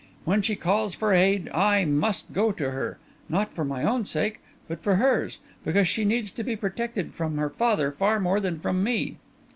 When she calls for aid, I must go to her, not for my own sake but for hers, because she needs to be protected from her father far more than from me."